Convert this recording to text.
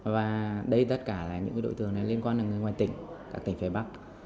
và đây tất cả là những đối tượng liên quan đến người ngoài tỉnh các tỉnh phía bắc